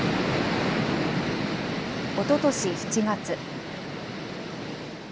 おととし７月。